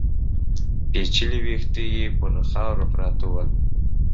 پيچلي ويښته يې پر خاورو پراته ول.